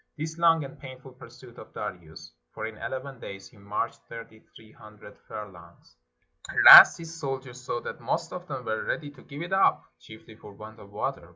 This long and painful pursuit of Darius, for in eleven days he marched thirty three hundred furlongs, harassed his soldiers so that most of them were ready to give it up, chiefly for want of water.